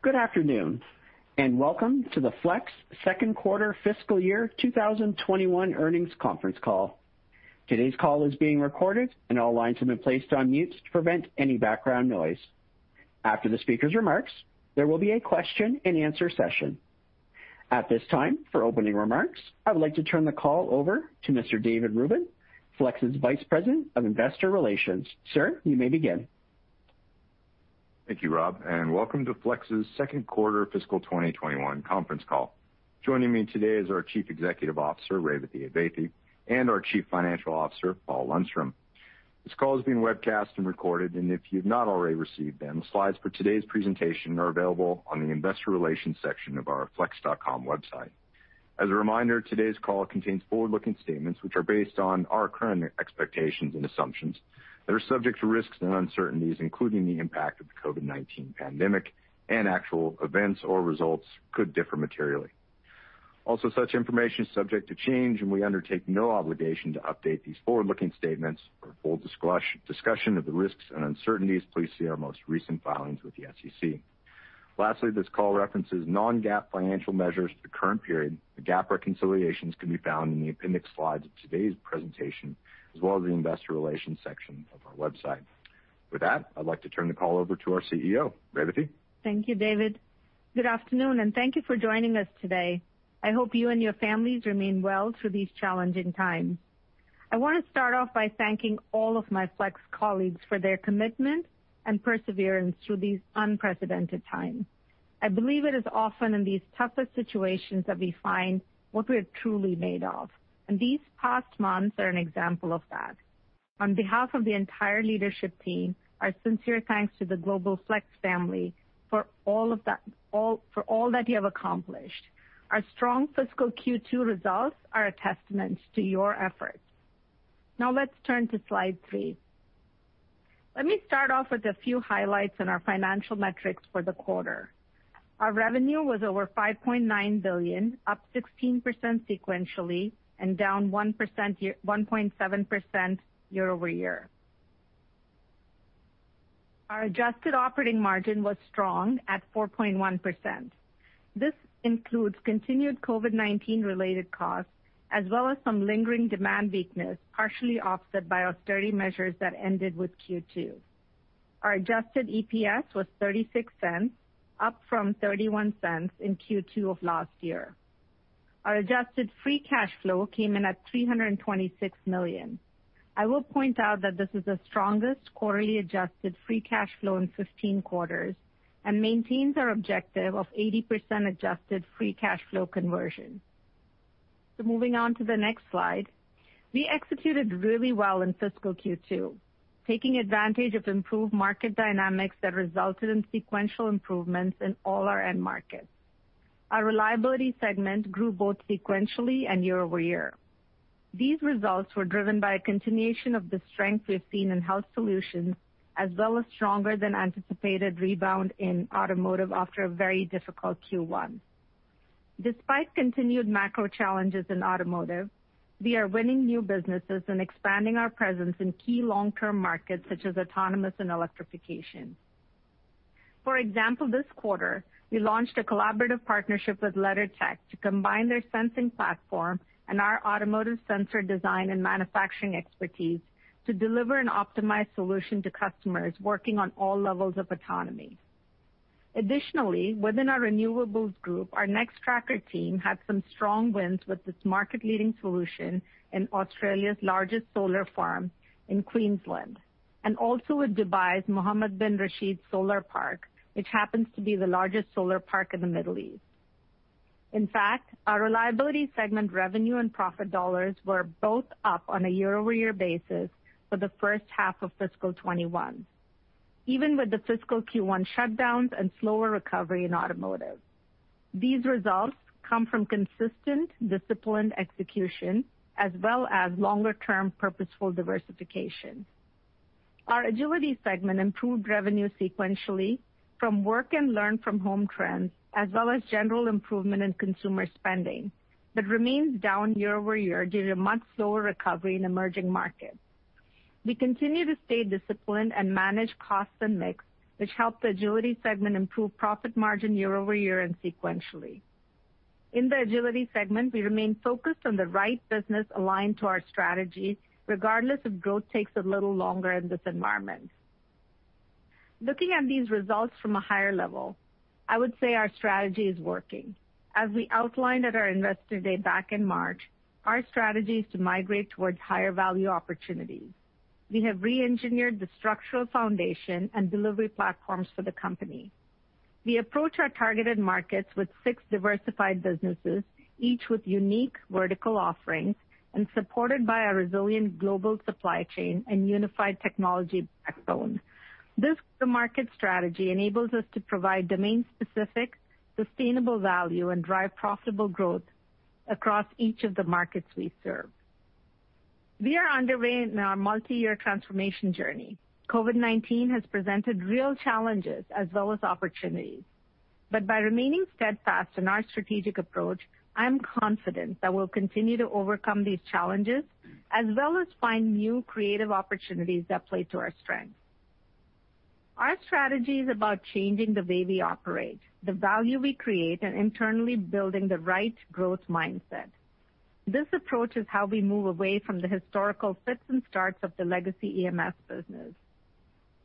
Good afternoon, and welcome to the Flex second quarter fiscal year 2021 earnings conference call. Today's call is being recorded, and all lines have been placed on mute to prevent any background noise. After the speaker's remarks, there will be a question and answer session. At this time, for opening remarks, I would like to turn the call over to Mr. David Rubin, Flex's Vice President of Investor Relations. Sir, you may begin. Thank you, Rob, and welcome to Flex's second quarter fiscal 2021 conference call. Joining me today is our Chief Executive Officer, Revathi Advaithi, and our Chief Financial Officer, Paul Lundstrom. This call is being webcast and recorded, and if you have not already received them, slides for today's presentation are available on the Investor Relations section of our flex.com website. As a reminder, today's call contains forward-looking statements which are based on our current expectations and assumptions. They're subject to risks and uncertainties, including the impact of the COVID-19 pandemic, and actual events or results could differ materially. Also, such information is subject to change, and we undertake no obligation to update these forward-looking statements or full discussion of the risks and uncertainties. Please see our most recent filings with the SEC. Lastly, this call references non-GAAP financial measures for the current period. The GAAP reconciliations can be found in the appendix slides of today's presentation, as well as the Investor Relations section of our website. With that, I'd like to turn the call over to our CEO, Revathi. Thank you, David. Good afternoon, and thank you for joining us today. I hope you and your families remain well through these challenging times. I want to start off by thanking all of my Flex colleagues for their commitment and perseverance through these unprecedented times. I believe it is often in these toughest situations that we find what we are truly made of, and these past months are an example of that. On behalf of the entire leadership team, our sincere thanks to the global Flex family for all that you have accomplished. Our strong fiscal Q2 results are a testament to your efforts. Now let's turn to slide three. Let me start off with a few highlights in our financial metrics for the quarter. Our revenue was over $5.9 billion, up 16% sequentially and down 1.7% year-over-year. Our adjusted operating margin was strong at 4.1%. This includes continued COVID-19-related costs, as well as some lingering demand weakness, partially offset by our austerity measures that ended with Q2. Our Adjusted EPS was $0.36, up from $0.31 in Q2 of last year. Our adjusted free cash flow came in at $326 million. I will point out that this is the strongest quarterly adjusted free cash flow in 15 quarters and maintains our objective of 80% adjusted free cash flow conversion. So moving on to the next slide, we executed really well in fiscal Q2, taking advantage of improved market dynamics that resulted in sequential improvements in all our end markets. Our reliability segment grew both sequentially and year-over-year. These results were driven by a continuation of the strength we've seen in health solutions, as well as stronger-than-anticipated rebound in automotive after a very difficult Q1. Despite continued macro challenges in automotive, we are winning new businesses and expanding our presence in key long-term markets such as autonomous and electrification. For example, this quarter, we launched a collaborative partnership with LeddarTech to combine their sensing platform and our automotive sensor design and manufacturing expertise to deliver an optimized solution to customers working on all levels of autonomy. Additionally, within our renewables group, our Nextracker team had some strong wins with this market-leading solution in Australia's largest solar farm in Queensland, and also with Dubai's Mohammed bin Rashid Solar Park, which happens to be the largest solar park in the Middle East. In fact, our reliability segment revenue and profit dollars were both up on a year-over-year basis for the first half of fiscal 2021, even with the fiscal Q1 shutdowns and slower recovery in automotive. These results come from consistent, disciplined execution, as well as longer-term purposeful diversification. Our Agility segment improved revenue sequentially from work and learn from home trends, as well as general improvement in consumer spending, but remains down year over year due to much slower recovery in emerging markets. We continue to stay disciplined and manage costs and mix, which helped the Agility segment improve profit margin year over year and sequentially. In the Agility segment, we remain focused on the right business aligned to our strategy, regardless if growth takes a little longer in this environment. Looking at these results from a higher level, I would say our strategy is working. As we outlined at our Investor Day back in March, our strategy is to migrate towards higher value opportunities. We have re-engineered the structural foundation and delivery platforms for the company. We approach our targeted markets with six diversified businesses, each with unique vertical offerings and supported by a resilient global supply chain and unified technology backbone. This market strategy enables us to provide domain-specific, sustainable value and drive profitable growth across each of the markets we serve. We are underway in our multi-year transformation journey. COVID-19 has presented real challenges as well as opportunities, but by remaining steadfast in our strategic approach, I'm confident that we'll continue to overcome these challenges as well as find new creative opportunities that play to our strengths. Our strategy is about changing the way we operate, the value we create, and internally building the right growth mindset. This approach is how we move away from the historical fits and starts of the legacy EMS business.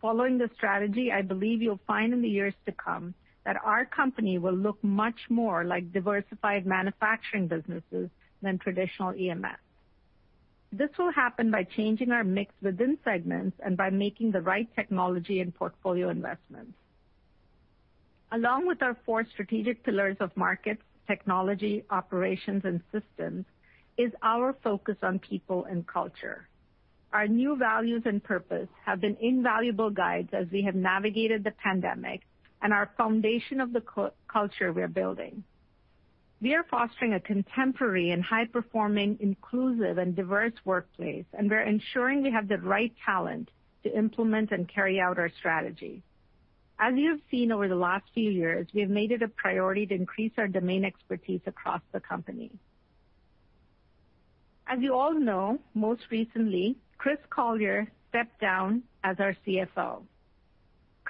Following this strategy, I believe you'll find in the years to come that our company will look much more like diversified manufacturing businesses than traditional EMS. This will happen by changing our mix within segments and by making the right technology and portfolio investments. Along with our four strategic pillars of markets, technology, operations, and systems, is our focus on people and culture. Our new values and purpose have been invaluable guides as we have navigated the pandemic and our foundation of the culture we're building. We are fostering a contemporary and high-performing, inclusive, and diverse workplace, and we're ensuring we have the right talent to implement and carry out our strategy. As you've seen over the last few years, we have made it a priority to increase our domain expertise across the company. As you all know, most recently, Chris Collier stepped down as our CFO.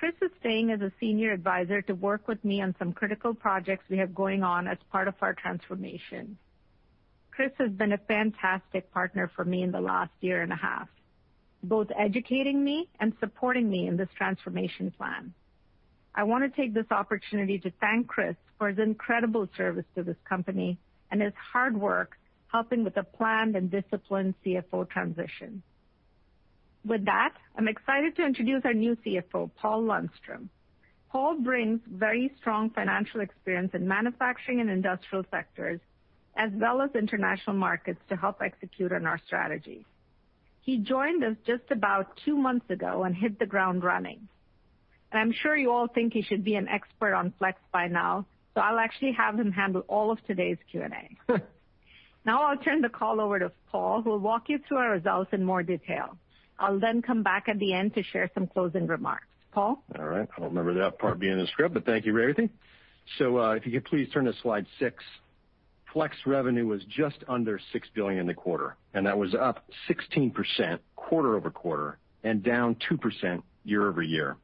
Chris is staying as a senior advisor to work with me on some critical projects we have going on as part of our transformation. Chris has been a fantastic partner for me in the last year and a half, both educating me and supporting me in this transformation plan. I want to take this opportunity to thank Chris for his incredible service to this company and his hard work helping with the planned and disciplined CFO transition. With that, I'm excited to introduce our new CFO, Paul Lundstrom. Paul brings very strong financial experience in manufacturing and industrial sectors as well as international markets to help execute on our strategy. He joined us just about two months ago and hit the ground running, and I'm sure you all think he should be an expert on Flex by now, so I'll actually have him handle all of today's Q&A. Now I'll turn the call over to Paul, who will walk you through our results in more detail. I'll then come back at the end to share some closing remarks. Paul? All right. I don't remember that part being in the script, but thank you, Revathi. So if you could please turn to slide six, Flex revenue was just under $6 billion in the quarter, and that was up 16% quarter-over-quarter and down 2% year-over-year.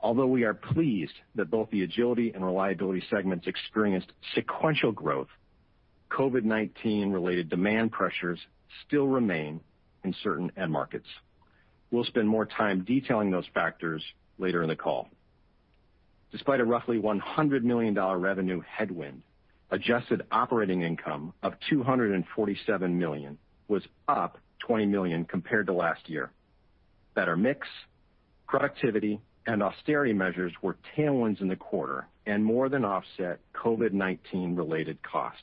Although we are pleased that both the agility and reliability segments experienced sequential growth, COVID-19-related demand pressures still remain in certain end markets. We'll spend more time detailing those factors later in the call. Despite a roughly $100 million revenue headwind, adjusted operating income of $247 million was up $20 million compared to last year. Better mix, productivity, and austerity measures were tailwinds in the quarter and more than offset COVID-19-related costs.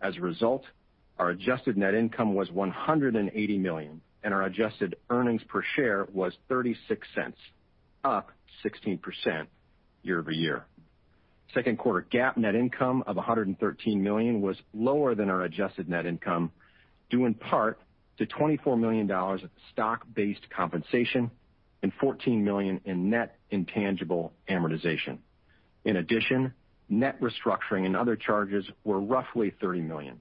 As a result, our adjusted net income was $180 million, and our adjusted earnings per share was $0.36, up 16% year-over-year. Second quarter GAAP net income of $113 million was lower than our adjusted net income, due in part to $24 million in stock-based compensation and $14 million in net intangible amortization. In addition, net restructuring and other charges were roughly $30 million.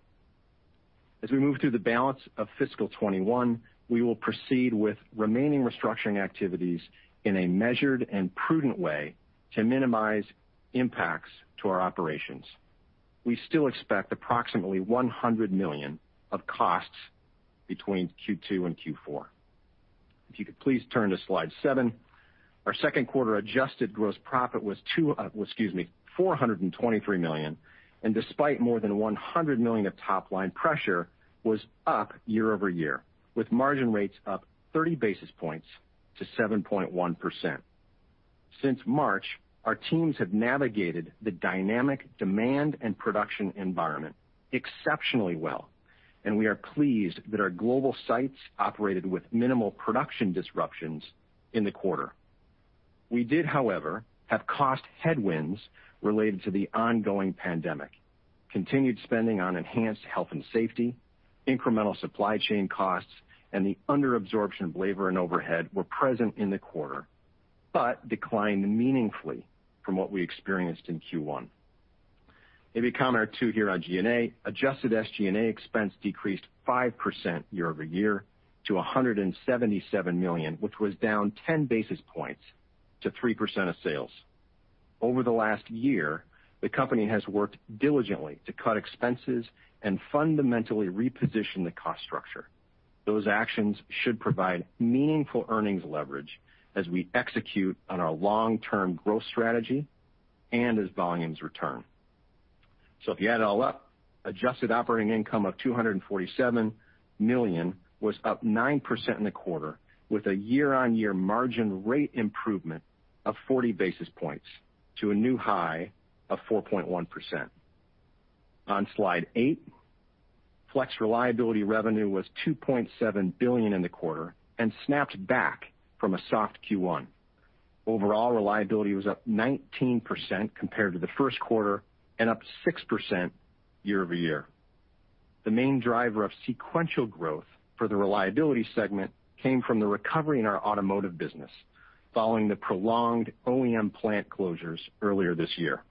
As we move through the balance of fiscal 2021, we will proceed with remaining restructuring activities in a measured and prudent way to minimize impacts to our operations. We still expect approximately $100 million of costs between Q2 and Q4. If you could please turn to slide seven, our second quarter adjusted gross profit was $423 million, and despite more than $100 million of top-line pressure, was up year-over-year, with margin rates up 30 basis points to 7.1%. Since March, our teams have navigated the dynamic demand and production environment exceptionally well, and we are pleased that our global sites operated with minimal production disruptions in the quarter. We did, however, have cost headwinds related to the ongoing pandemic. Continued spending on enhanced health and safety, incremental supply chain costs, and the under-absorption of labor and overhead were present in the quarter, but declined meaningfully from what we experienced in Q1. Maybe a comment or two here on SG&A. Adjusted SG&A expense decreased 5% year-over-year to $177 million, which was down 10 basis points to 3% of sales. Over the last year, the company has worked diligently to cut expenses and fundamentally reposition the cost structure. Those actions should provide meaningful earnings leverage as we execute on our long-term growth strategy and as volumes return. So if you add it all up, adjusted operating income of $247 million was up 9% in the quarter, with a year-on-year margin rate improvement of 40 basis points to a new high of 4.1%. On slide eight, Flex Reliability revenue was $2.7 billion in the quarter and snapped back from a soft Q1. Overall, Reliability was up 19% compared to the first quarter and up 6% year-over-year. The main driver of sequential growth for the Reliability segment came from the recovery in our automotive business following the prolonged OEM plant closures earlier this year.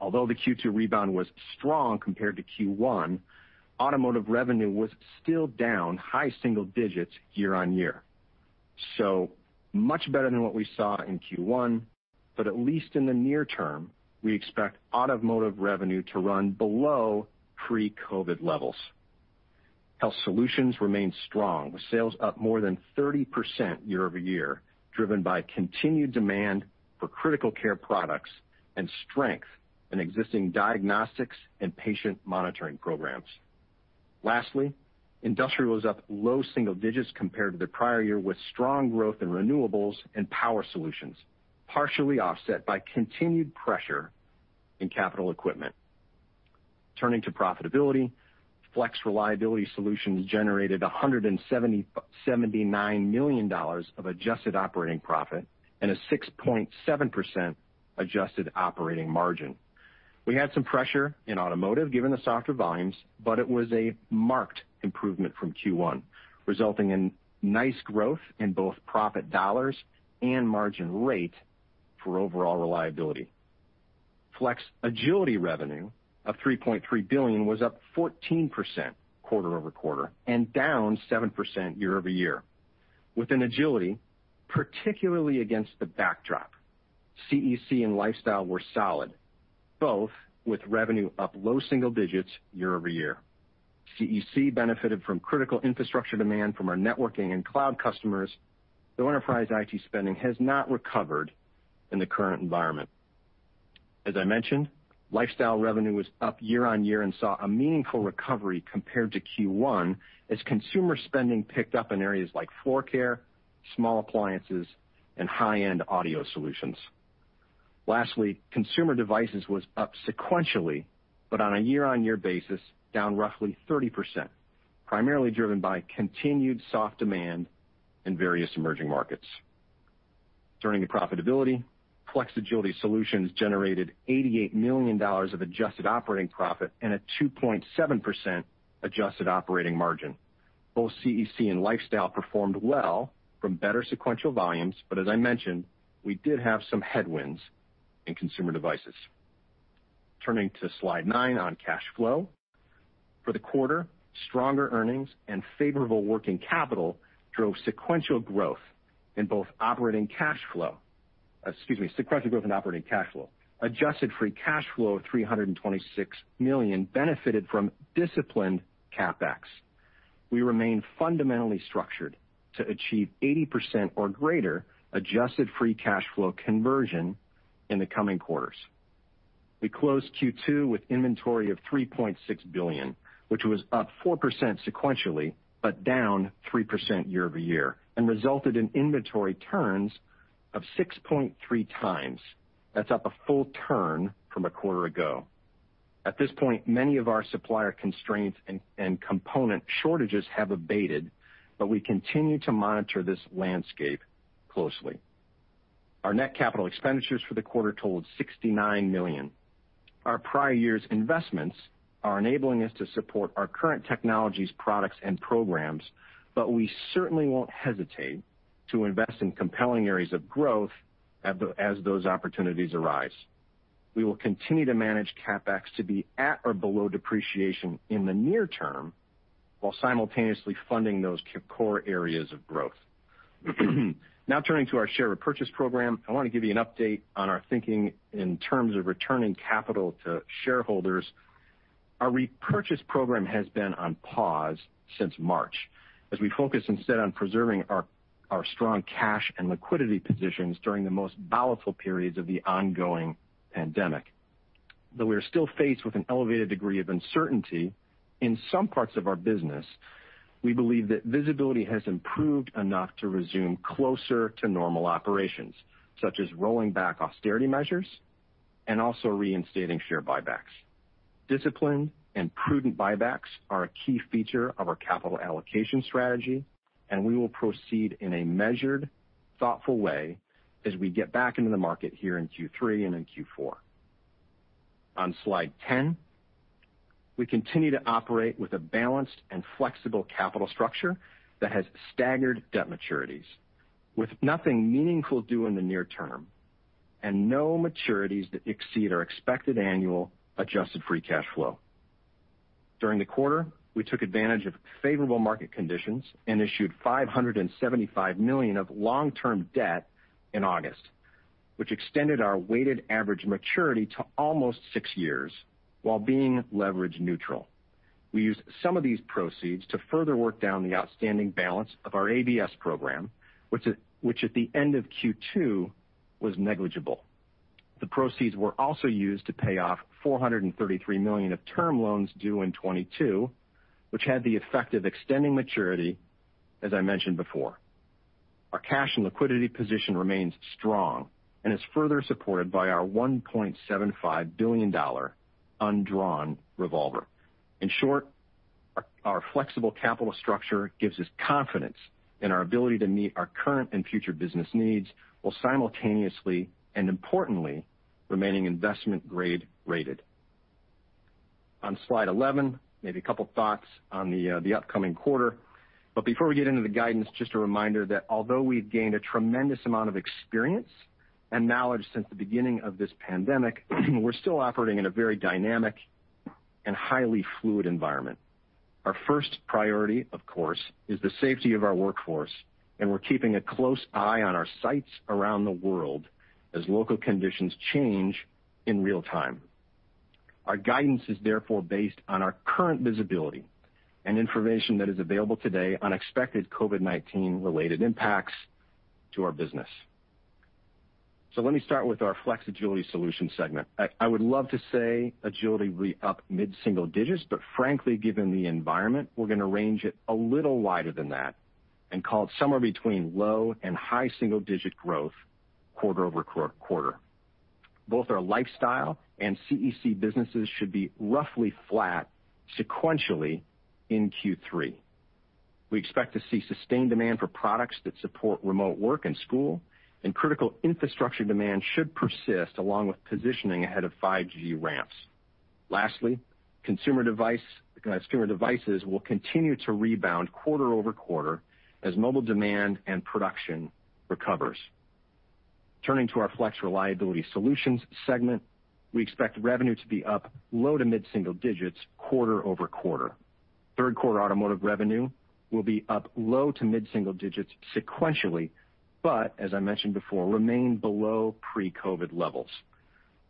Although the Q2 rebound was strong compared to Q1, automotive revenue was still down high single digits year-on-year. So much better than what we saw in Q1, but at least in the near term, we expect automotive revenue to run below pre-COVID levels. Health Solutions remained strong, with sales up more than 30% year-over-year, driven by continued demand for critical care products and strength in existing diagnostics and patient monitoring programs. Lastly, industrial was up low single digits compared to the prior year, with strong growth in renewables and power solutions, partially offset by continued pressure in capital equipment. Turning to profitability, Flex Reliability Solutions generated $179 million of adjusted operating profit and a 6.7% adjusted operating margin. We had some pressure in automotive given the softer volumes, but it was a marked improvement from Q1, resulting in nice growth in both profit dollars and margin rate for overall reliability. Flex Agility revenue of $3.3 billion was up 14% quarter over quarter and down 7% year-over-year. Within Agility, particularly against the backdrop, CEC and Lifestyle were solid, both with revenue up low single digits year-over-year. CEC benefited from critical infrastructure demand from our networking and cloud customers, though enterprise IT spending has not recovered in the current environment. As I mentioned, Lifestyle revenue was up year-on-year and saw a meaningful recovery compared to Q1 as consumer spending picked up in areas like floor care, small appliances, and high-end audio solutions. Lastly, consumer devices was up sequentially, but on a year-on-year basis, down roughly 30%, primarily driven by continued soft demand in various emerging markets. Turning to profitability, Flex Agility Solutions generated $88 million of adjusted operating profit and a 2.7% adjusted operating margin. Both CEC and Lifestyle performed well from better sequential volumes, but as I mentioned, we did have some headwinds in consumer devices. Turning to slide nine on cash flow. For the quarter, stronger earnings and favorable working capital drove sequential growth in both operating cash flow, excuse me, sequential growth in operating cash flow. Adjusted free cash flow of $326 million benefited from disciplined CapEx. We remain fundamentally structured to achieve 80% or greater adjusted free cash flow conversion in the coming quarters. We closed Q2 with inventory of $3.6 billion, which was up 4% sequentially but down 3% year-over-year, and resulted in inventory turns of 6.3x. That's up a full turn from a quarter ago. At this point, many of our supplier constraints and component shortages have abated, but we continue to monitor this landscape closely. Our net capital expenditures for the quarter totaled $69 million. Our prior year's investments are enabling us to support our current technologies, products, and programs, but we certainly won't hesitate to invest in compelling areas of growth as those opportunities arise. We will continue to manage CapEx to be at or below depreciation in the near term while simultaneously funding those core areas of growth. Now turning to our share repurchase program, I want to give you an update on our thinking in terms of returning capital to shareholders. Our repurchase program has been on pause since March as we focus instead on preserving our strong cash and liquidity positions during the most volatile periods of the ongoing pandemic. Though we are still faced with an elevated degree of uncertainty in some parts of our business, we believe that visibility has improved enough to resume closer to normal operations, such as rolling back austerity measures and also reinstating share buybacks. Disciplined and prudent buybacks are a key feature of our capital allocation strategy, and we will proceed in a measured, thoughtful way as we get back into the market here in Q3 and in Q4. On slide 10, we continue to operate with a balanced and flexible capital structure that has staggered debt maturities, with nothing meaningful due in the near term and no maturities that exceed our expected annual adjusted free cash flow. During the quarter, we took advantage of favorable market conditions and issued $575 million of long-term debt in August, which extended our weighted average maturity to almost six years while being leverage neutral. We used some of these proceeds to further work down the outstanding balance of our ABS program, which at the end of Q2 was negligible. The proceeds were also used to pay off $433 million of term loans due in 2022, which had the effect of extending maturity, as I mentioned before. Our cash and liquidity position remains strong and is further supported by our $1.75 billion undrawn revolver. In short, our flexible capital structure gives us confidence in our ability to meet our current and future business needs while simultaneously and importantly remaining investment-grade rated. On slide 11, maybe a couple of thoughts on the upcoming quarter. But before we get into the guidance, just a reminder that although we've gained a tremendous amount of experience and knowledge since the beginning of this pandemic, we're still operating in a very dynamic and highly fluid environment. Our first priority, of course, is the safety of our workforce, and we're keeping a close eye on our sites around the world as local conditions change in real time. Our guidance is therefore based on our current visibility and information that is available today on expected COVID-19-related impacts to our business. So let me start with our Flex Agility Solutions segment. I would love to say Agility will be up mid-single digits, but frankly, given the environment, we're going to range it a little wider than that and call it somewhere between low- and high-single-digit growth quarter over quarter. Both our Lifestyle and CEC businesses should be roughly flat sequentially in Q3. We expect to see sustained demand for products that support remote work and school, and critical infrastructure demand should persist along with positioning ahead of 5G ramps. Lastly, Consumer Devices will continue to rebound quarter over quarter as mobile demand and production recovers. Turning to our Flex Reliability Solutions segment, we expect revenue to be up low to mid-single digits quarter-over-quarter. Third quarter automotive revenue will be up low to mid-single digits sequentially, but as I mentioned before, remain below pre-COVID levels.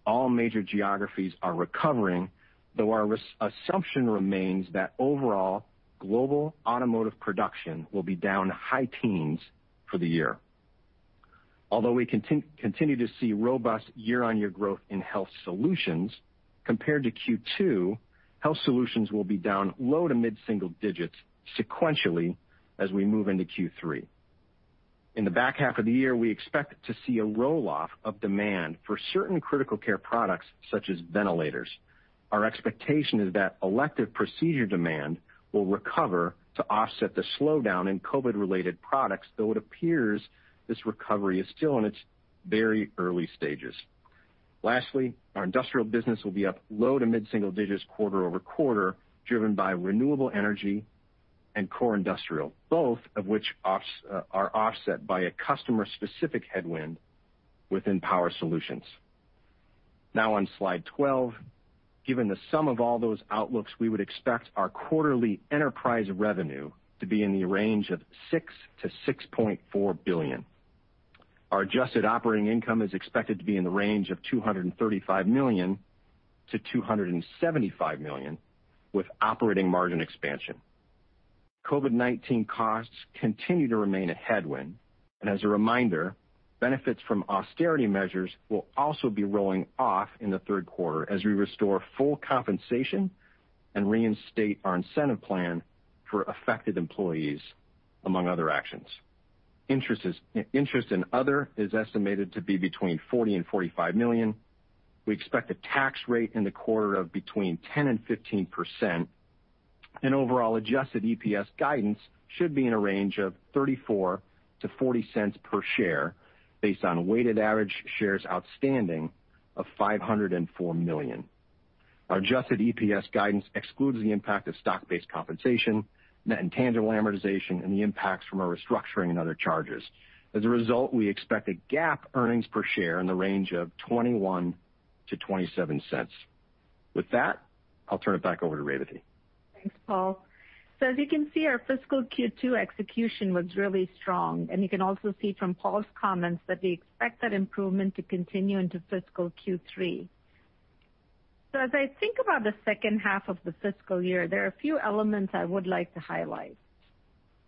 All major geographies are recovering, though our assumption remains that overall global automotive production will be down high teens for the year. Although we continue to see robust year-on-year growth in Health Solutions, compared to Q2, Health Solutions will be down low to mid-single digits sequentially as we move into Q3. In the back half of the year, we expect to see a roll-off of demand for certain critical care products such as ventilators. Our expectation is that elective procedure demand will recover to offset the slowdown in COVID-related products, though it appears this recovery is still in its very early stages. Lastly, our industrial business will be up low to mid-single digits quarter over quarter, driven by renewable energy and core industrial, both of which are offset by a customer-specific headwind within power solutions. Now on slide 12, given the sum of all those outlooks, we would expect our quarterly enterprise revenue to be in the range of $6 billion-$6.4 billion. Our adjusted operating income is expected to be in the range of $235 million-$275 million with operating margin expansion. COVID-19 costs continue to remain a headwind, and as a reminder, benefits from austerity measures will also be rolling off in the third quarter as we restore full compensation and reinstate our incentive plan for affected employees, among other actions. Interest and other is estimated to be between $40 milion and $45 million. We expect a tax rate in the quarter of between 10% and 15%, and overall adjusted EPS guidance should be in a range of $0.34-$0.40 per share based on weighted average shares outstanding of 504 million. Our adjusted EPS guidance excludes the impact of stock-based compensation, net intangible amortization, and the impacts from our restructuring and other charges. As a result, we expect a GAAP earnings per share in the range of $0.21-$0.27. With that, I'll turn it back over to Revathi. Thanks, Paul. So as you can see, our fiscal Q2 execution was really strong, and you can also see from Paul's comments that we expect that improvement to continue into fiscal Q3. So as I think about the second half of the fiscal year, there are a few elements I would like to highlight.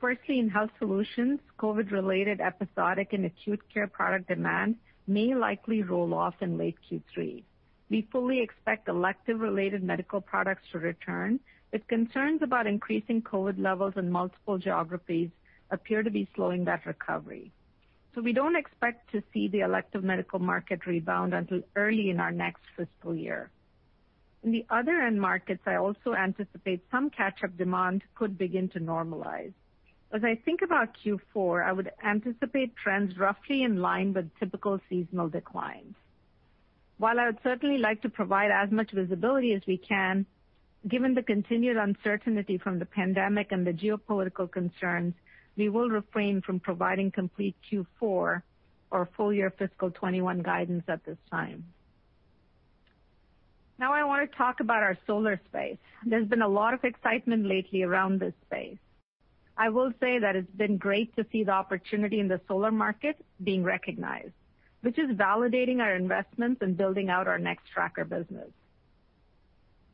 Firstly, in Health Solutions, COVID-related episodic and acute care product demand may likely roll off in late Q3. We fully expect elective-related medical products to return, but concerns about increasing COVID levels in multiple geographies appear to be slowing that recovery. So we don't expect to see the elective medical market rebound until early in our next fiscal year. In the other end markets, I also anticipate some catch-up demand could begin to normalize. As I think about Q4, I would anticipate trends roughly in line with typical seasonal declines. While I would certainly like to provide as much visibility as we can, given the continued uncertainty from the pandemic and the geopolitical concerns, we will refrain from providing complete Q4 or full-year fiscal 2021 guidance at this time. Now I want to talk about our solar space. There's been a lot of excitement lately around this space. I will say that it's been great to see the opportunity in the solar market being recognized, which is validating our investments and building out our Nextracker business.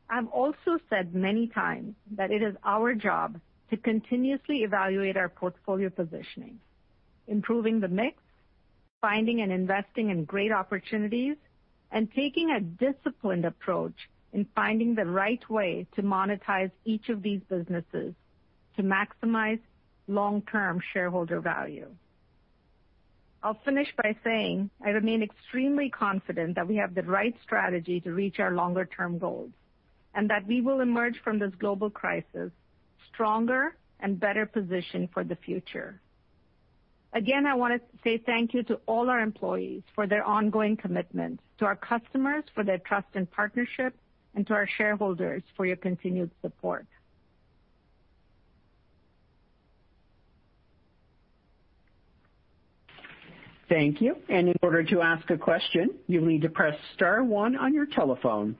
I've also said many times that it is our job to continuously evaluate our portfolio positioning, improving the mix, finding and investing in great opportunities, and taking a disciplined approach in finding the right way to monetize each of these businesses to maximize long-term shareholder value. I'll finish by saying I remain extremely confident that we have the right strategy to reach our longer-term goals and that we will emerge from this global crisis stronger and better positioned for the future. Again, I want to say thank you to all our employees for their ongoing commitment, to our customers for their trust and partnership, and to our shareholders for your continued support. Thank you. And in order to ask a question, you'll need to press star one on your telephone.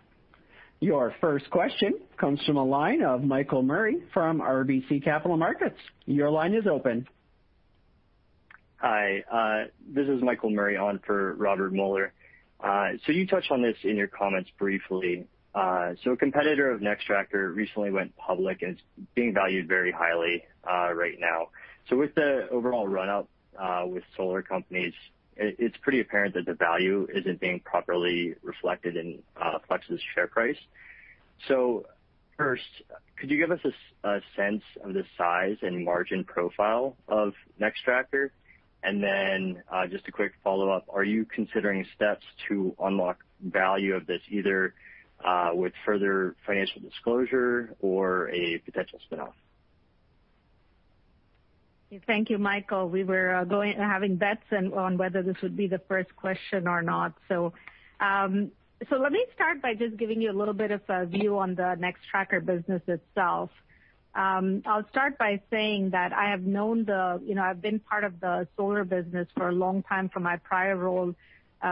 Your first question comes from a line of Michael Murray from RBC Capital Markets. Your line is open. Hi, this is Michael Murray on for Robert Muller. So you touched on this in your comments briefly. So a competitor of Nextracker recently went public and is being valued very highly right now. With the overall run-up with solar companies, it's pretty apparent that the value isn't being properly reflected in Flex's share price. So first, could you give us a sense of the size and margin profile of Nextracker? And then just a quick follow-up, are you considering steps to unlock value of this either with further financial disclosure or a potential spinoff? Thank you, Michael. We were having bets on whether this would be the first question or not. So let me start by just giving you a little bit of a view on the Nextracker business itself. I'll start by saying that I've been part of the solar business for a long time from my prior role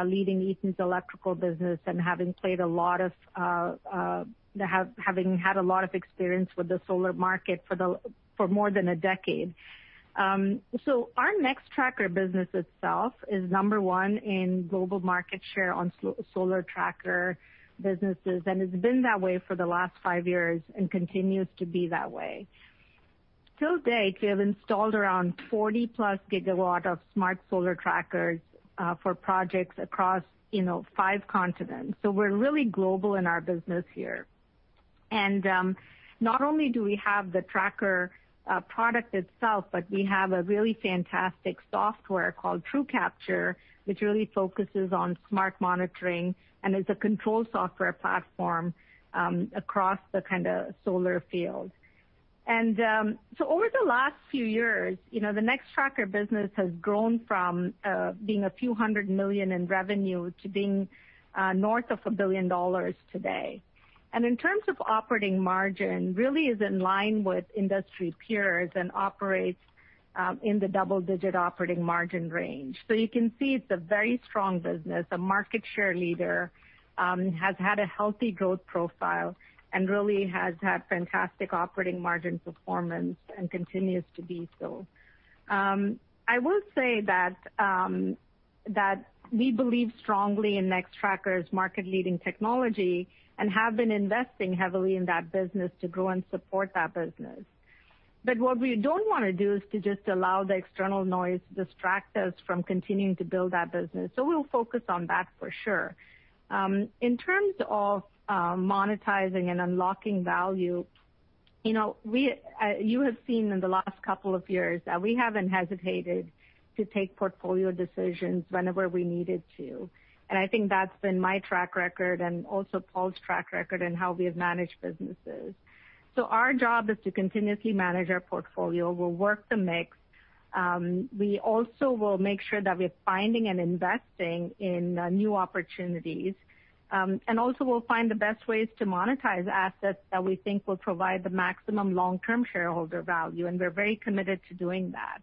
leading Eaton's electrical business and having had a lot of experience with the solar market for more than a decade. Our Nextracker business itself is number one in global market share on solar tracker businesses, and it's been that way for the last five years and continues to be that way. To date, we have installed around 40+ GW of smart solar trackers for projects across five continents. So we're really global in our business here. And not only do we have the tracker product itself, but we have a really fantastic software called TrueCapture, which really focuses on smart monitoring and is a control software platform across the kind of solar field. And so over the last few years, the Nextracker business has grown from being a few hundred million in revenue to being north of $1 billion today. And in terms of operating margin, it really is in line with industry peers and operates in the double-digit operating margin range. So you can see it's a very strong business, a market share leader, has had a healthy growth profile, and really has had fantastic operating margin performance and continues to be so. I will say that we believe strongly in Nextracker's market-leading technology and have been investing heavily in that business to grow and support that business. But what we don't want to do is to just allow the external noise to distract us from continuing to build that business. So we'll focus on that for sure. In terms of monetizing and unlocking value, you have seen in the last couple of years that we haven't hesitated to take portfolio decisions whenever we needed to. And I think that's been my track record and also Paul's track record in how we have managed businesses. So our job is to continuously manage our portfolio. We'll work the mix. We also will make sure that we're finding and investing in new opportunities. And also, we'll find the best ways to monetize assets that we think will provide the maximum long-term shareholder value. And we're very committed to doing that.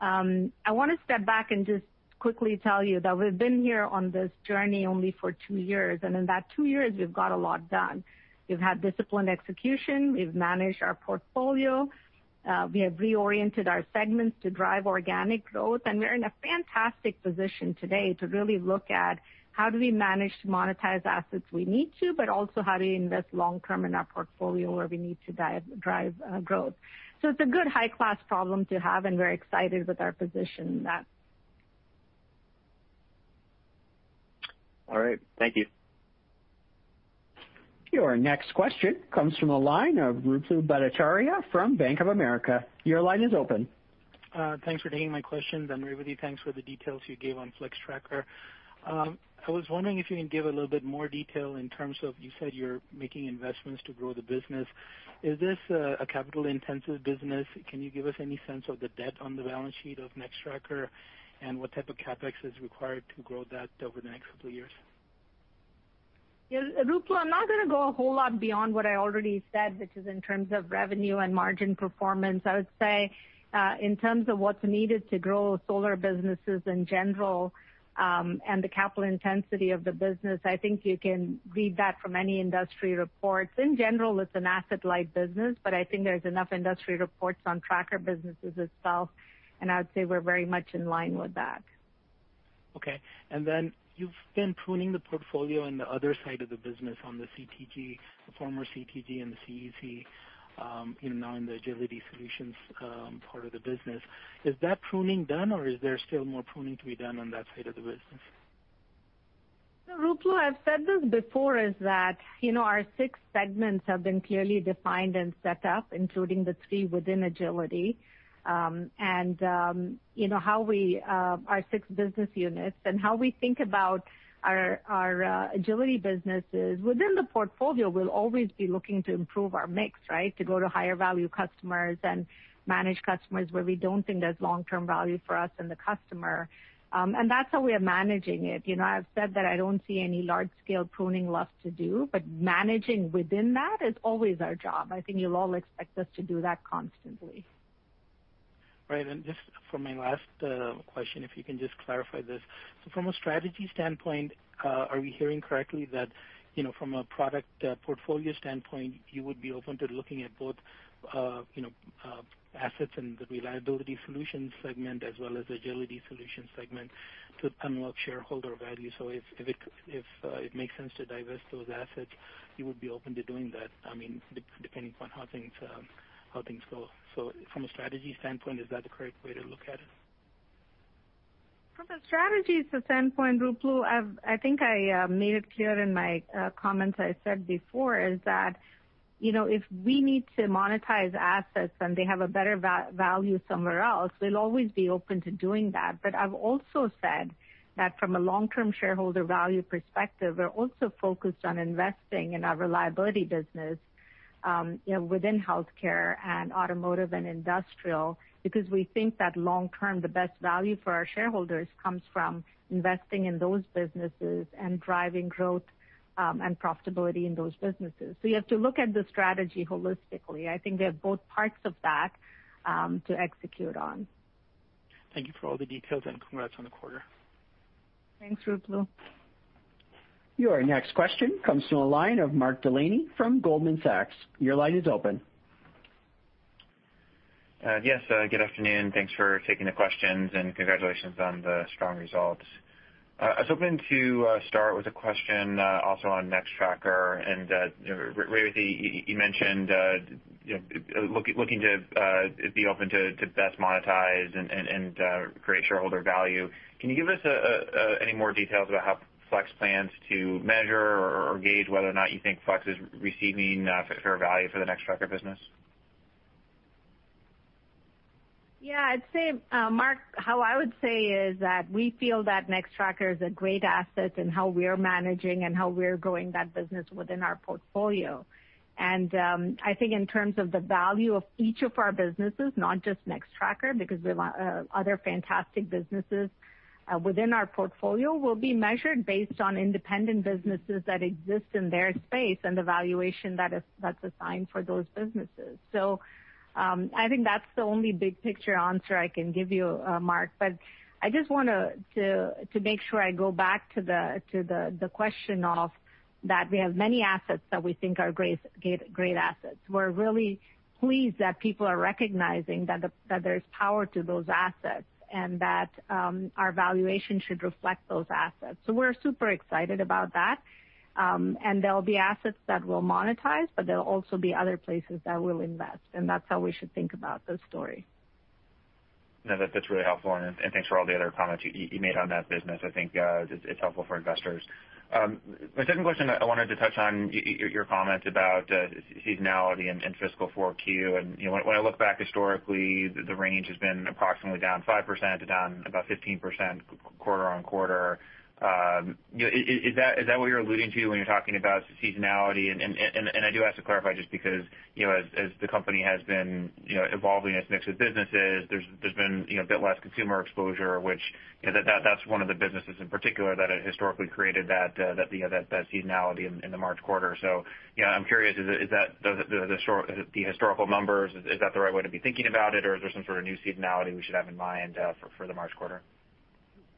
I want to step back and just quickly tell you that we've been here on this journey only for two years. And in that two years, we've got a lot done. We've had disciplined execution. We've managed our portfolio. We have reoriented our segments to drive organic growth. And we're in a fantastic position today to really look at how do we manage to monetize assets we need to, but also how do we invest long-term in our portfolio where we need to drive growth. So it's a good high-class problem to have, and we're excited with our position in that. All right. Thank you. Your next question comes from a line of Ruplu Bhattacharya from Bank of America. Your line is open. Thanks for taking my question, Revathi. Thanks for the details you gave on Nextracker. I was wondering if you can give a little bit more detail in terms of you said you're making investments to grow the business. Is this a capital-intensive business? Can you give us any sense of the debt on the balance sheet of Nextracker and what type of CapEx is required to grow that over the next couple of years? Yeah. Ruplu, I'm not going to go a whole lot beyond what I already said, which is in terms of revenue and margin performance. I would say in terms of what's needed to grow solar businesses in general and the capital intensity of the business, I think you can read that from any industry reports. In general, it's an asset-light business, but I think there's enough industry reports on tracker businesses itself, and I would say we're very much in line with that. Okay. And then you've been pruning the portfolio in the other side of the business on the CTG, the former CTG and the CEC, now in the Agility Solutions part of the business. Is that pruning done, or is there still more pruning to be done on that side of the business? Ruplu, I've said this before, is that our six segments have been clearly defined and set up, including the three within Agility and how we, our six business units, and how we think about our Agility businesses. Within the portfolio, we'll always be looking to improve our mix, right, to go to higher-value customers and manage customers where we don't think there's long-term value for us and the customer. And that's how we are managing it. I've said that I don't see any large-scale pruning left to do, but managing within that is always our job. I think you'll all expect us to do that constantly. Right. And just for my last question, if you can just clarify this. So from a strategy standpoint, are we hearing correctly that from a product portfolio standpoint, you would be open to looking at both assets and the Reliability Solutions segment as well as Agility Solutions segment to unlock shareholder value? So if it makes sense to divest those assets, you would be open to doing that, I mean, depending upon how things go. So from a strategy standpoint, is that the correct way to look at it? From a strategy standpoint, Ruplu, I think I made it clear in my comments I said before is that if we need to monetize assets and they have a better value somewhere else, we'll always be open to doing that. But I've also said that from a long-term shareholder value perspective, we're also focused on investing in our reliability business within healthcare and automotive and industrial because we think that long-term, the best value for our shareholders comes from investing in those businesses and driving growth and profitability in those businesses. So you have to look at the strategy holistically. I think we have both parts of that to execute on. Thank you for all the details and congrats on the quarter. Thanks, Ruplu. Your next question comes from a line of Mark Delaney from Goldman Sachs. Your line is open. Yes. Good afternoon. Thanks for taking the questions and congratulations on the strong results. I was hoping to start with a question also on Nextracker. And Revathi, you mentioned looking to be open to best monetize and create shareholder value. Can you give us any more details about how Flex plans to measure or gauge whether or not you think Flex is receiving fair value for the Nextracker business? Yeah. I'd say, Mark, how I would say is that we feel that Nextracker is a great asset in how we're managing and how we're growing that business within our portfolio. And I think in terms of the value of each of our businesses, not just Nextracker because we have other fantastic businesses within our portfolio, will be measured based on independent businesses that exist in their space and the valuation that's assigned for those businesses. So I think that's the only big picture answer I can give you, Mark. But I just want to make sure I go back to the question of that we have many assets that we think are great assets. We're really pleased that people are recognizing that there's power to those assets and that our valuation should reflect those assets. So we're super excited about that. And there'll be assets that we'll monetize, but there'll also be other places that we'll invest. And that's how we should think about the story. No, that's really helpful. And thanks for all the other comments you made on that business. I think it's helpful for investors. My second question, I wanted to touch on your comments about seasonality and fiscal for Q. And when I look back historically, the range has been approximately down 5% to down about 15% quarter on quarter. Is that what you're alluding to when you're talking about seasonality? And I do have to clarify just because as the company has been evolving its mix of businesses, there's been a bit less consumer exposure, which that's one of the businesses in particular that historically created that seasonality in the March quarter. So I'm curious, is that the historical numbers? Is that the right way to be thinking about it, or is there some sort of new seasonality we should have in mind for the March quarter?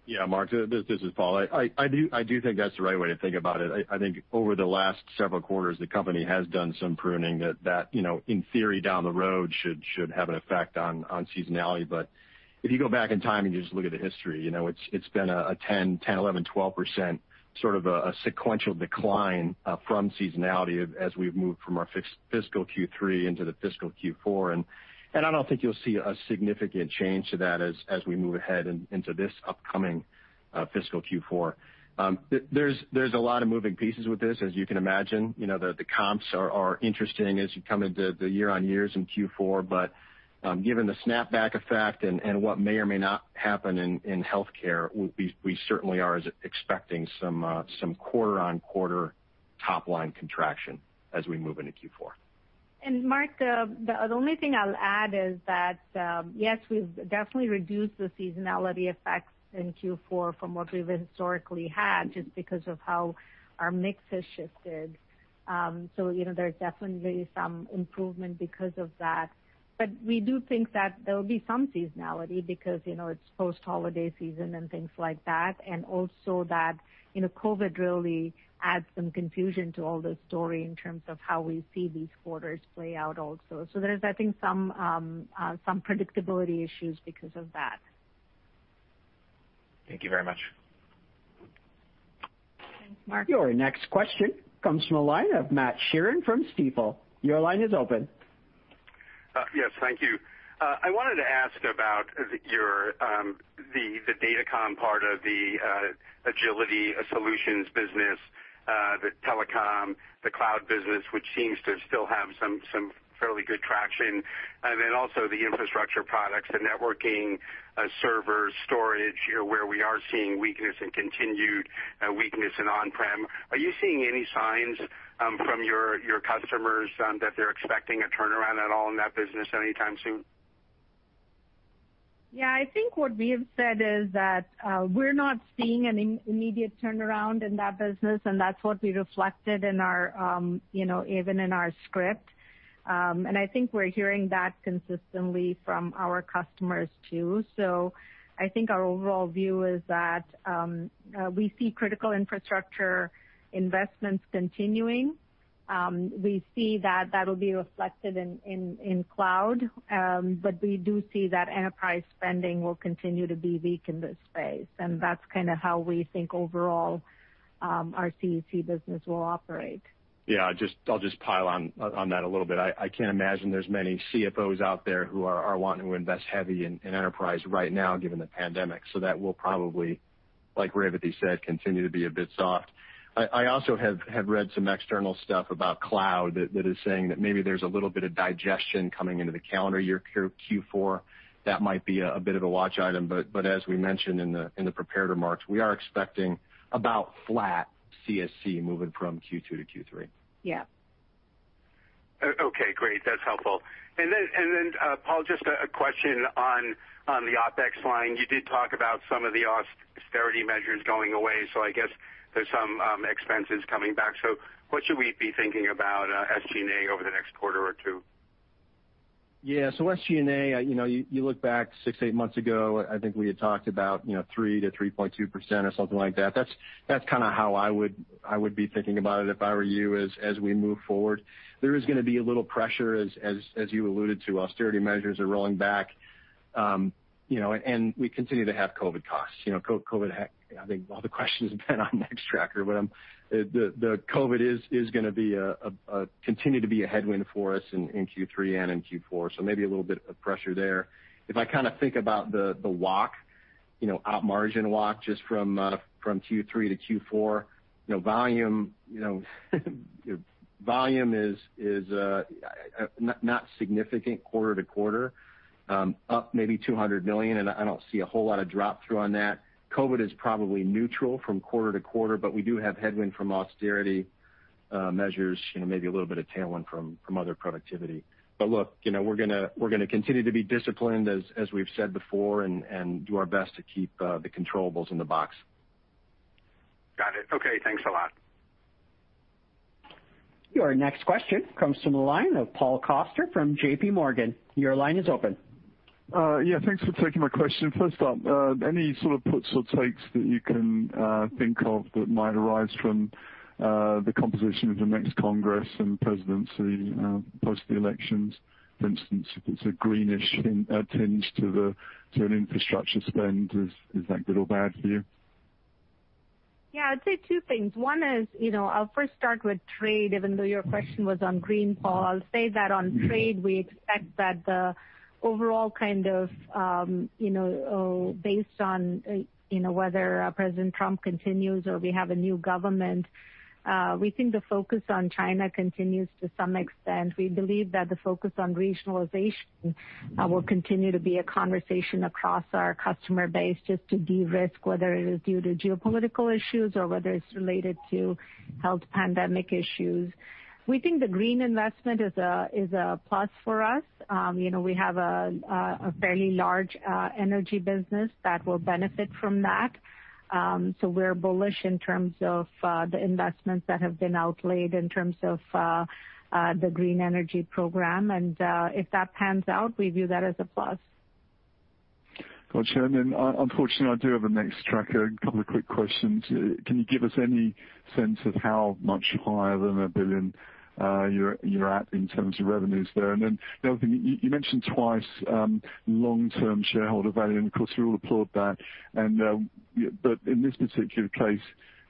Yeah, Mark, this is Paul. I do think that's the right way to think about it. I think over the last several quarters, the company has done some pruning that, in theory, down the road should have an effect on seasonality. But if you go back in time and you just look at the history, it's been a 10%, 11%, 12% sort of a sequential decline from seasonality as we've moved from our fiscal Q3 into the fiscal Q4. And I don't think you'll see a significant change to that as we move ahead into this upcoming fiscal Q4. There's a lot of moving pieces with this, as you can imagine. The comps are interesting as you come into the year-on-years in Q4. But given the snapback effect and what may or may not happen in healthcare, we certainly are expecting some quarter-on-quarter top-line contraction as we move into Q4. And Mark, the only thing I'll add is that, yes, we've definitely reduced the seasonality effects in Q4 from what we've historically had just because of how our mix has shifted. So there's definitely some improvement because of that. But we do think that there will be some seasonality because it's post-holiday season and things like that. And also that COVID really adds some confusion to all this story in terms of how we see these quarters play out also. So there's, I think, some predictability issues because of that. Thank you very much. Thanks, Mark. Your next question comes from a line of Matt Sheerin from Stifel. Your line is open. Yes, thank you. I wanted to ask about the Datacom part of the Agility Solutions business, the telecom, the cloud business, which seems to still have some fairly good traction. And then also the infrastructure products, the networking, servers, storage, where we are seeing weakness and continued weakness in on-prem. Are you seeing any signs from your customers that they're expecting a turnaround at all in that business anytime soon? Yeah. I think what we have said is that we're not seeing an immediate turnaround in that business, and that's what we reflected in our even in our script, and I think we're hearing that consistently from our customers too, so I think our overall view is that we see critical infrastructure investments continuing. We see that that will be reflected in cloud, but we do see that enterprise spending will continue to be weak in this space, and that's kind of how we think overall our CEC business will operate. Yeah. I'll just pile on that a little bit. I can't imagine there's many CFOs out there who are wanting to invest heavy in enterprise right now given the pandemic, so that will probably, like Revathi said, continue to be a bit soft. I also have read some external stuff about cloud that is saying that maybe there's a little bit of digestion coming into the calendar year Q4. That might be a bit of a watch item. But as we mentioned in the prepared remarks, we are expecting about flat CEC moving from Q2 to Q3. Yeah. Okay. Great. That's helpful. And then, Paul, just a question on the OpEx line. You did talk about some of the austerity measures going away. So I guess there's some expenses coming back. So what should we be thinking about SG&A over the next quarter or two? Yeah. So SG&A, you look back six, eight months ago, I think we had talked about 3%-3.2% or something like that. That's kind of how I would be thinking about it if I were you as we move forward. There is going to be a little pressure, as you alluded to, austerity measures are rolling back, and we continue to have COVID costs. COVID, I think all the questions have been on Nextracker, but the COVID is going to continue to be a headwind for us in Q3 and in Q4, so maybe a little bit of pressure there. If I kind of think about the walk, operating-margin walk just from Q3 to Q4, volume is not significant quarter to quarter, up maybe $200 million. I don't see a whole lot of drop-through on that. COVID is probably neutral from quarter to quarter, but we do have headwind from austerity measures, maybe a little bit of tailwind from other productivity. Look, we're going to continue to be disciplined, as we've said before, and do our best to keep the controllables in the box. Got it. Okay. Thanks a lot. Your next question comes from a line of Paul Coster from JPMorgan. Your line is open. Yeah. Thanks for taking my question. First off, any sort of puts or takes that you can think of that might arise from the composition of the next Congress and presidency post the elections? For instance, if it's a greenish tinge to an infrastructure spend, is that good or bad for you? Yeah. I'd say two things. One is I'll first start with trade, even though your question was on green, Paul. I'll say that on trade, we expect that the overall kind of based on whether President Trump continues or we have a new government, we think the focus on China continues to some extent. We believe that the focus on regionalization will continue to be a conversation across our customer base just to de-risk whether it is due to geopolitical issues or whether it's related to health pandemic issues. We think the green investment is a plus for us. We have a fairly large energy business that will benefit from that. So we're bullish in terms of the investments that have been outlaid in terms of the green energy program. And if that pans out, we view that as a plus. Gotcha. And then, unfortunately, I do have a Nextracker, a couple of quick questions. Can you give us any sense of how much higher than a billion you're at in terms of revenues there? And then the other thing, you mentioned twice long-term shareholder value, and of course, we all applaud that. But in this particular case,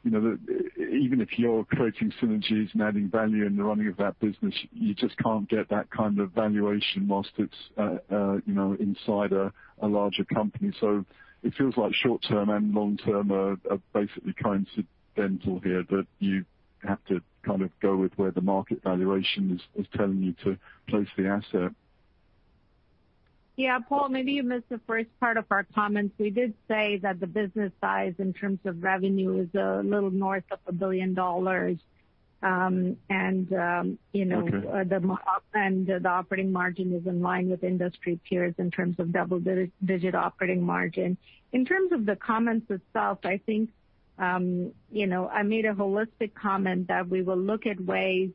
even if you're creating synergies and adding value in the running of that business, you just can't get that kind of valuation while it's inside a larger company. So it feels like short-term and long-term are basically coincidental here, that you have to kind of go with where the market valuation is telling you to place the asset. Yeah. Paul, maybe you missed the first part of our comments. We did say that the business size in terms of revenue is a little north of $1 billion. And the operating margin is in line with industry peers in terms of double-digit operating margin. In terms of the comments itself, I think I made a holistic comment that we will look at ways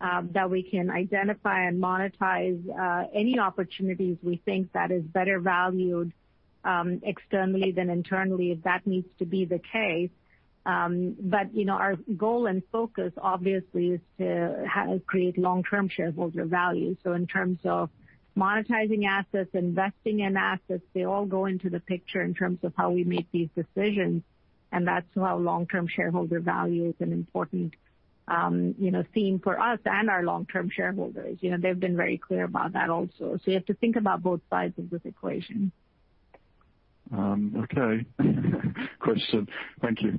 that we can identify and monetize any opportunities we think that is better valued externally than internally if that needs to be the case. But our goal and focus, obviously, is to create long-term shareholder value. So in terms of monetizing assets, investing in assets, they all go into the picture in terms of how we make these decisions. And that's how long-term shareholder value is an important theme for us and our long-term shareholders. They've been very clear about that also. So you have to think about both sides of this equation. Okay. Question. Thank you.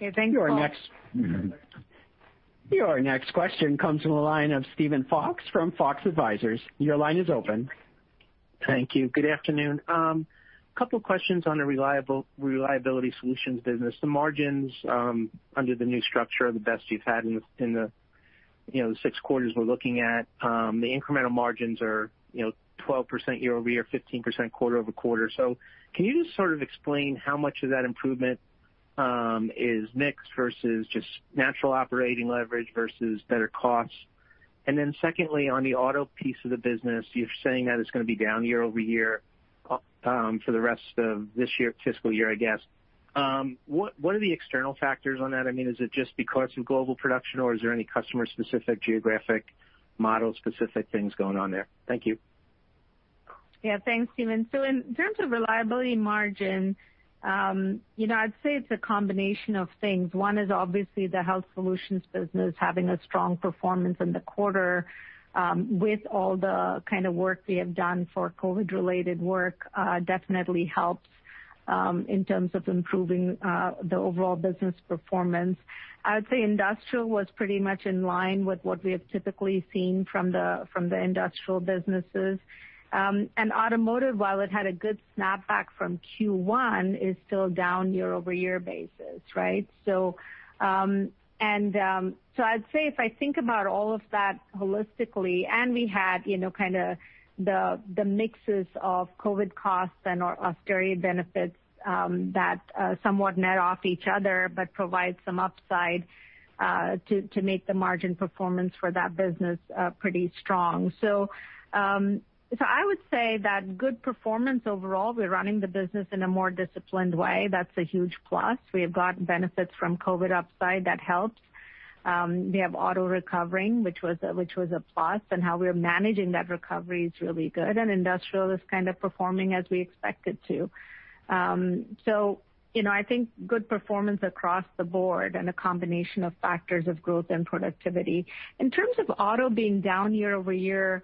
Okay. Thanks, Paul. Your next question comes from a line of Steven Fox from Fox Advisors. Your line is open. Thank you. Good afternoon. A couple of questions on the Reliability Solutions business. The margins under the new structure are the best you've had in the six quarters we're looking at. The incremental margins are 12% year-over-year, 15% quarter-over-quarter. So can you just sort of explain how much of that improvement is mixed versus just natural operating leverage versus better costs? And then secondly, on the auto piece of the business, you're saying that it's going to be down year-over-year for the rest of this fiscal year, I guess. What are the external factors on that? I mean, is it just because of global production, or is there any customer-specific, geographic, model-specific things going on there? Thank you. Yeah. Thanks, Steven. So in terms of reliability margin, I'd say it's a combination of things. One is obviously the Health Solutions business having a strong performance in the quarter with all the kind of work we have done for COVID-related work definitely helps in terms of improving the overall business performance. I would say industrial was pretty much in line with what we have typically seen from the industrial businesses. Automotive, while it had a good snapback from Q1, is still down year-over-year basis, right? I'd say if I think about all of that holistically, and we had kind of the mixes of COVID costs and austerity benefits that somewhat net off each other but provide some upside to make the margin performance for that business pretty strong. I would say that good performance overall, we're running the business in a more disciplined way. That's a huge plus. We have gotten benefits from COVID upside. That helps. We have auto recovering, which was a plus. And how we're managing that recovery is really good. And industrial is kind of performing as we expect it to. So I think good performance across the board and a combination of factors of growth and productivity. In terms of auto being down year-over-year,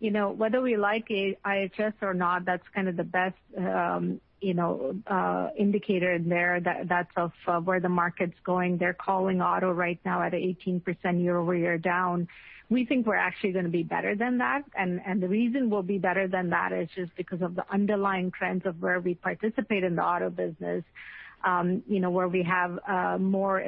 whether we like IHS or not, that's kind of the best indicator in there that's of where the market's going. They're calling auto right now at an 18% year-over-year down. We think we're actually going to be better than that. And the reason we'll be better than that is just because of the underlying trends of where we participate in the auto business, where we have more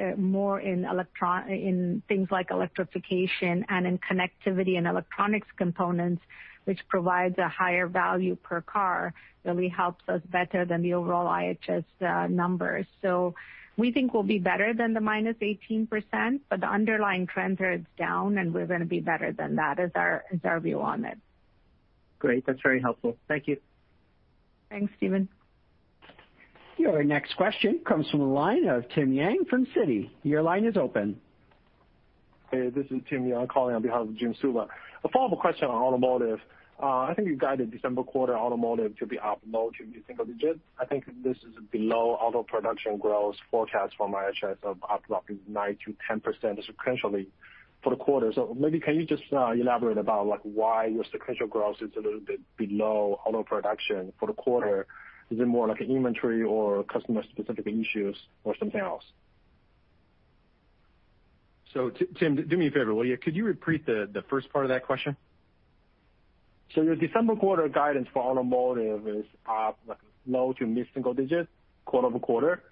in things like electrification and in connectivity and electronics components, which provides a higher value per car, really helps us better than the overall IHS numbers. So we think we'll be better than the -18%, but the underlying trend here is down, and we're going to be better than that, is our view on it. Great. That's very helpful. Thank you. Thanks, Steven. Your next question comes from a line of Tim Yang from Citi. Your line is open. Hey. This is Tim Yang calling on behalf of Jim Suva. A follow-up question on automotive. I think you guided December quarter automotive to be up low to single digits. I think this is below auto production growth forecast from IHS of up roughly 9%-10% sequentially for the quarter. So maybe can you just elaborate about why your sequential growth is a little bit below auto production for the quarter? Is it more like an inventory or customer-specific issues or something else? So Tim, do me a favor. Could you repeat the first part of that question? So your December quarter guidance for automotive is up low to mid-single digits, quarter-over-quarter.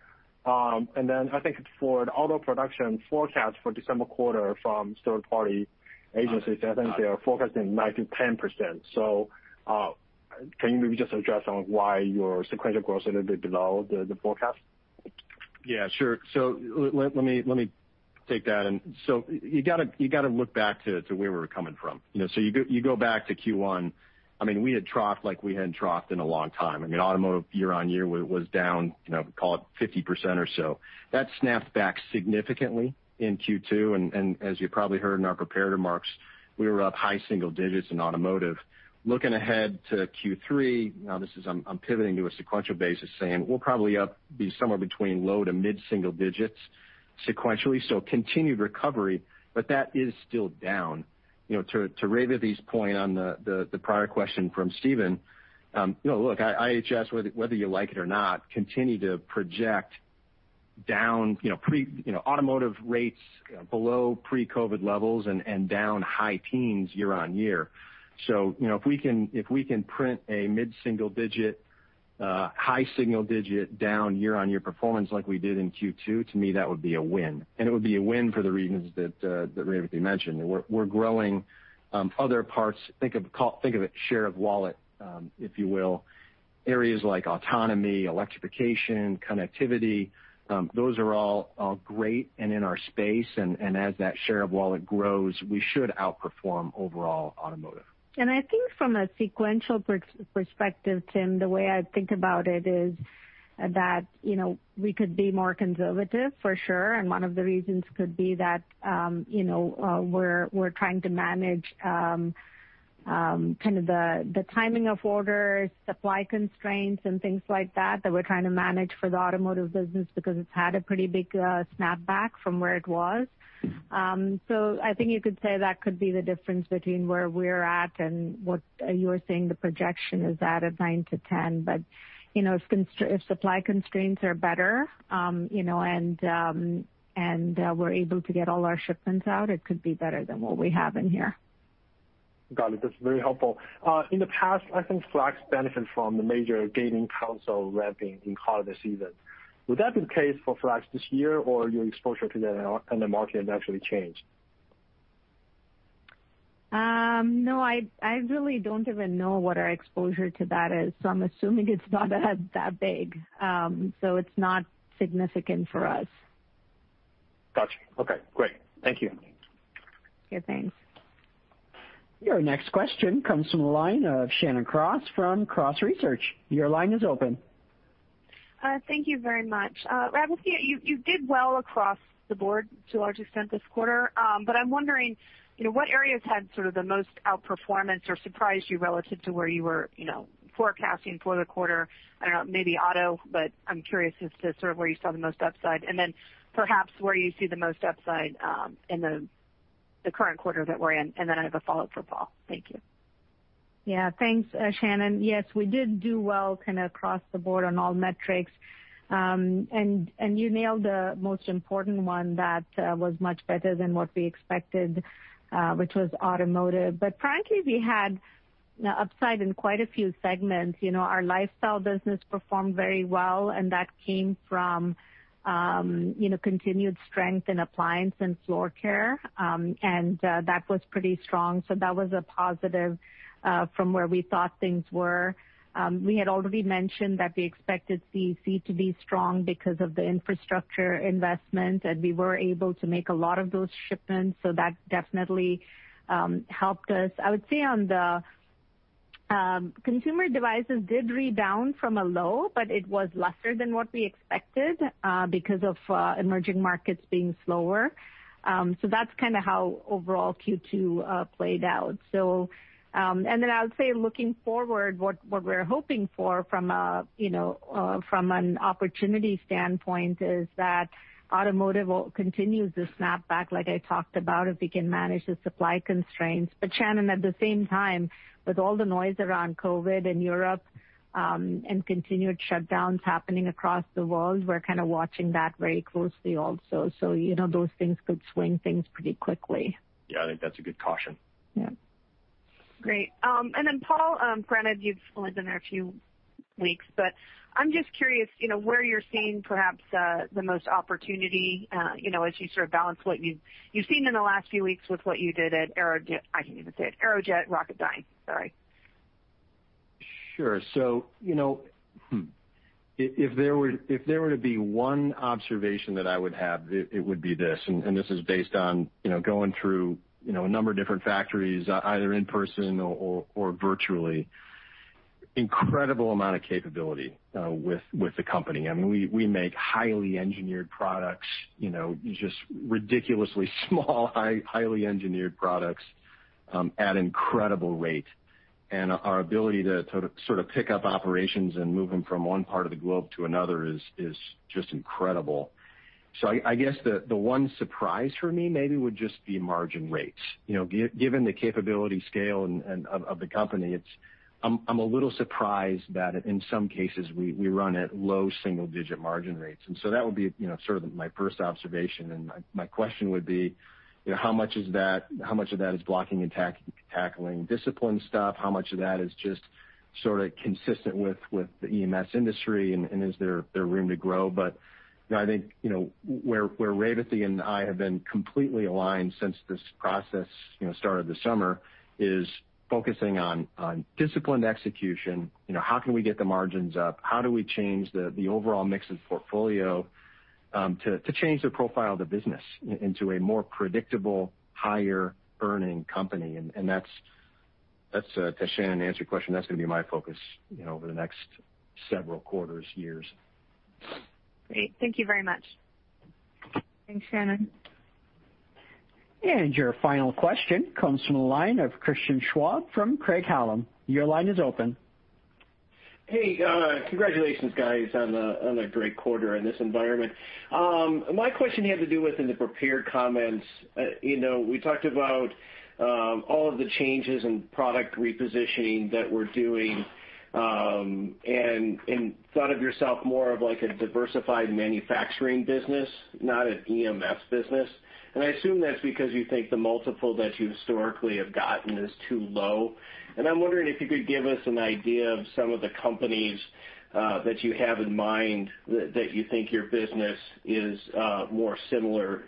And then I think for the auto production forecast for December quarter from third-party agencies, I think they are forecasting 9%-10%. So can you maybe just address on why your sequential growth is a little bit below the forecast? Yeah. Sure. So let me take that. And so you got to look back to where we were coming from. So you go back to Q1. I mean, we had troughed like we hadn't troughed in a long time. I mean, automotive year-on-year was down, call it 50% or so. That snapped back significantly in Q2. And as you probably heard in our prepared remarks, we were up high single digits in automotive. Looking ahead to Q3, now this is, I'm pivoting to a sequential basis saying we'll probably be somewhere between low to mid-single digits sequentially. So continued recovery, but that is still down. To Revathi's point on the prior question from Steven, look, IHS, whether you like it or not, continued to project down automotive rates below pre-COVID levels and down high teens year-on-year. So if we can print a mid-single digit, high single digit down year-on-year performance like we did in Q2, to me, that would be a win. And it would be a win for the reasons that Revathi mentioned. We're growing other parts. Think of it share of wallet, if you will, areas like autonomy, electrification, connectivity. Those are all great and in our space. And as that share of wallet grows, we should outperform overall automotive. And I think from a sequential perspective, Tim, the way I think about it is that we could be more conservative, for sure. And one of the reasons could be that we're trying to manage kind of the timing of orders, supply constraints, and things like that that we're trying to manage for the automotive business because it's had a pretty big snapback from where it was. So I think you could say that could be the difference between where we're at and what you were saying the projection is at 9%-10%. But if supply constraints are better and we're able to get all our shipments out, it could be better than what we have in here. Got it. That's very helpful. In the past, I think Flex benefited from the major gaming console ramping in the heart of the season. Would that be the case for Flex this year, or your exposure to the market has actually changed? No, I really don't even know what our exposure to that is. So I'm assuming it's not that big. So it's not significant for us. Gotcha. Okay. Great. Thank you. Okay. Thanks. Your next question comes from a line of Shannon Cross from Cross Research. Your line is open. Thank you very much. Revathi, you did well across the board to a large extent this quarter. But I'm wondering what areas had sort of the most outperformance or surprised you relative to where you were forecasting for the quarter? I don't know, maybe auto, but I'm curious as to sort of where you saw the most upside. And then perhaps where you see the most upside in the current quarter that we're in. And then I have a follow-up for Paul. Thank you. Yeah. Thanks, Shannon. Yes, we did do well kind of across the board on all metrics. And you nailed the most important one that was much better than what we expected, which was automotive. But frankly, we had upside in quite a few segments. Our lifestyle business performed very well, and that came from continued strength in appliance and floor care. And that was pretty strong. So that was a positive from where we thought things were. We had already mentioned that we expected CEC to be strong because of the infrastructure investment, and we were able to make a lot of those shipments. So that definitely helped us. I would say on the consumer devices did rebound from a low, but it was lesser than what we expected because of emerging markets being slower. So that's kind of how overall Q2 played out. And then I would say looking forward, what we're hoping for from an opportunity standpoint is that automotive will continue the snapback like I talked about if we can manage the supply constraints. But Shannon, at the same time, with all the noise around COVID in Europe and continued shutdowns happening across the world, we're kind of watching that very closely also. So those things could swing things pretty quickly. Yeah. I think that's a good caution. Yeah. Great. And then Paul, granted, you've only been there a few weeks, but I'm just curious where you're seeing perhaps the most opportunity as you sort of balance what you've seen in the last few weeks with what you did at Aerojet - I didn't even say it - Aerojet Rocketdyne. Sorry. Sure. So if there were to be one observation that I would have, it would be this. This is based on going through a number of different factories, either in person or virtually. Incredible amount of capability with the company. I mean, we make highly engineered products, just ridiculously small, highly engineered products at incredible rate. And our ability to sort of pick up operations and move them from one part of the globe to another is just incredible. So I guess the one surprise for me maybe would just be margin rates. Given the capability scale of the company, I'm a little surprised that in some cases we run at low single-digit margin rates. And so that would be sort of my first observation. And my question would be, how much of that is blocking and tackling discipline stuff? How much of that is just sort of consistent with the EMS industry? And is there room to grow? But I think where Revathi and I have been completely aligned since this process started this summer is focusing on disciplined execution. How can we get the margins up? How do we change the overall mix of portfolio to change the profile of the business into a more predictable, higher-earning company? And to Shannon answer your question, that's going to be my focus over the next several quarters, years. Great. Thank you very much. Thanks, Shannon. And your final question comes from a line of Christian Schwab from Craig-Hallum. Your line is open. Hey. Congratulations, guys, on a great quarter in this environment. My question had to do with in the prepared comments. We talked about all of the changes and product repositioning that we're doing and thought of yourself more of a diversified manufacturing business, not an EMS business. And I assume that's because you think the multiple that you historically have gotten is too low. And I'm wondering if you could give us an idea of some of the companies that you have in mind that you think your business is more similar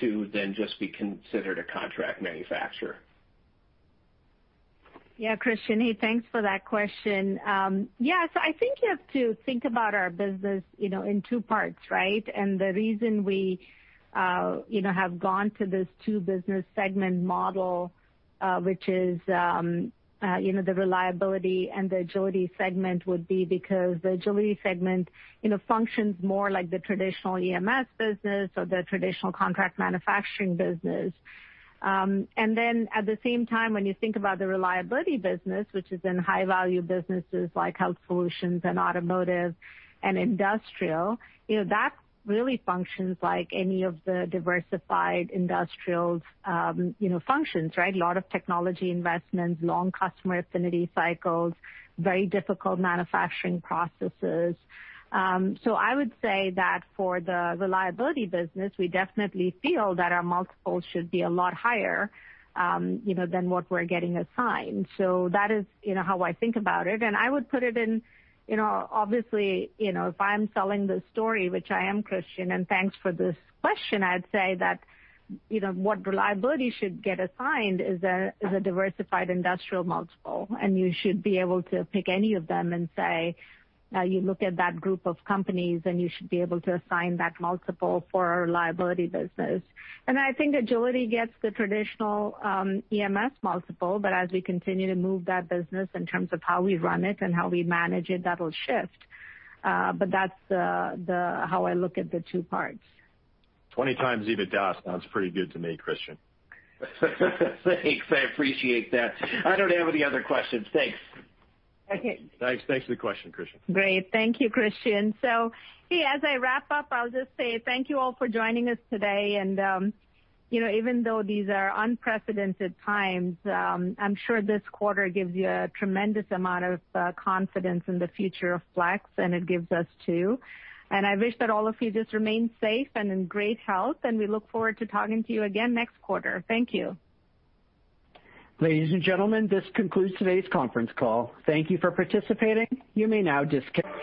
to than just be considered a contract manufacturer. Yeah. Christian, hey, thanks for that question. Yeah. So I think you have to think about our business in two parts, right? And the reason we have gone to this two-business segment model, which is the reliability and the agility segment, would be because the agility segment functions more like the traditional EMS business or the traditional contract manufacturing business. And then at the same time, when you think about the reliability business, which is in high-value businesses like health solutions and automotive and industrial, that really functions like any of the diversified industrial functions, right? A lot of technology investments, long customer affinity cycles, very difficult manufacturing processes, so I would say that for the reliability business, we definitely feel that our multiples should be a lot higher than what we're getting assigned, so that is how I think about it, and I would put it in, obviously, if I'm selling the story, which I am, Christian, and thanks for this question, I'd say that what reliability should get assigned is a diversified industrial multiple, and you should be able to pick any of them and say, "Now you look at that group of companies, and you should be able to assign that multiple for our reliability business," and I think agility gets the traditional EMS multiple, but as we continue to move that business in terms of how we run it and how we manage it, that'll shift but that's how I look at the two parts. 20x EBITDA sounds pretty good to me, Christian. Thanks. I appreciate that. I don't have any other questions. Thanks. Thanks for the question, Christian. Great. Thank you, Christian. so hey, as I wrap up, I'll just say thank you all for joining us today. and even though these are unprecedented times, I'm sure this quarter gives you a tremendous amount of confidence in the future of Flex, and it gives us too. and I wish that all of you just remain safe and in great health. and we look forward to talking to you again next quarter. Thank you. Ladies and gentlemen, this concludes today's conference call. Thank you for participating. You may now disconnect.